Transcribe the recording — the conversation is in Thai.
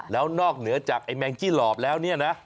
แล้วนอกเหนือจากไอ้แมงจี้หลอบแล้วเนี่ยนะ